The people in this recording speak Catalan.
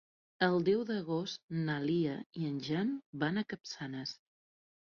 El deu d'agost na Lia i en Jan van a Capçanes.